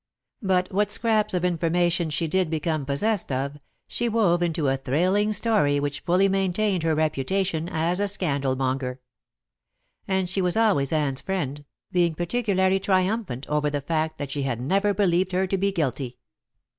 But what scraps of information she did become possessed of, she wove into a thrilling story which fully maintained her reputation as a scandal monger. And she was always Anne's friend, being particularly triumphant over the fact that she had never believed her to be guilty.